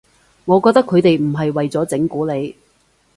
我覺得佢哋唔係為咗整蠱你